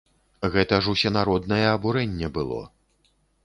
Гэта ж усенароднае абурэнне было.